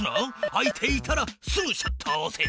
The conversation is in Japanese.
開いていたらすぐシャッターをおせ。